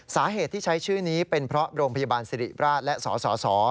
สาเหตุที่ใช้ชื่อนี้เป็นเพราะโรงพยาบาลสิริราชและสส